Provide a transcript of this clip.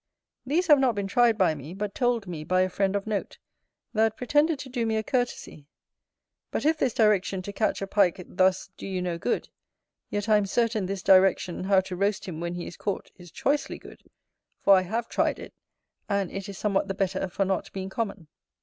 These have not been tried by me, but told me by a friend of note, that pretended to do me a courtesy. But if this direction to catch a Pike thus do you no good, yet I am certain this direction how to roast him when he is caught is choicely good; for I have tried it, and it is somewhat the better for not being common.